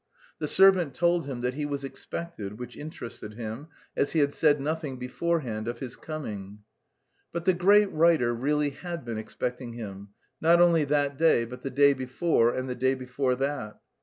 The servant told him that he was expected, which interested him, as he had said nothing beforehand of his coming. But the great writer really had been expecting him, not only that day but the day before and the day before that.